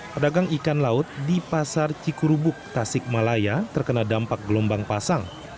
perdagang ikan laut di pasar cikurubuk tasikmalaya terkena dampak gelombang pasang